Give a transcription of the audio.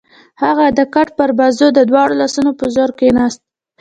هغه د کټ پر بازو د دواړو لاسونو په زور کېناست.